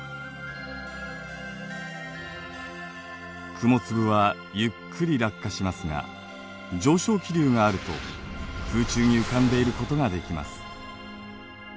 雲粒はゆっくり落下しますが上昇気流があると空中に浮かんでいることができます。